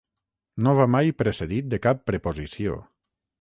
No va mai precedit de cap preposició.